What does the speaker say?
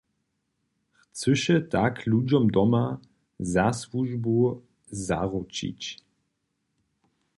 Chcyše tak ludźom doma zasłužbu zaručić.